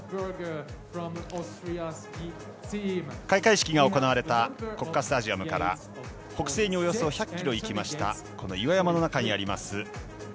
開会式が行われた国家スタジアムから北西におよそ１００ｋｍ行きました岩山の中にあります